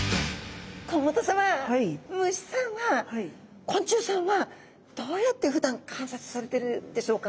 甲本さま虫さんは昆虫さんはどうやってふだん観察されてるでしょうか？